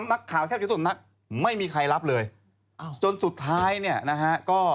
นักขายนะไม่มีใครรับเลยจนสุดท้ายเนี่ยนะฮะก็